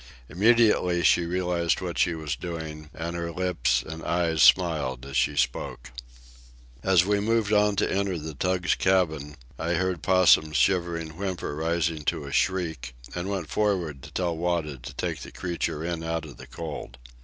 Immediately she realized what she was doing, and her lips and eyes smiled as she spoke. As we moved on to enter the tug's cabin I heard Possum's shivering whimper rising to a screech, and went forward to tell Wada to take the creature in out of the cold.